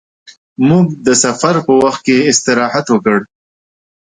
موږ د سفر په وخت کې استراحت وکړ.